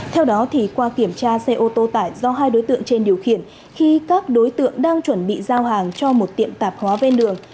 theo đó qua kiểm tra xe ô tô tải do hai đối tượng trên điều khiển khi các đối tượng đang chuẩn bị giao hàng cho một tiệm tạp hóa ven đường